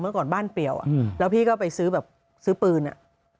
เมื่อก่อนบ้านเปรียวอ่ะแล้วพี่ก็ไปซื้อแบบซื้อปืนอ่ะ